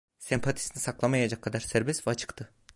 Sempatisini saklamayacak kadar serbest ve açıktı.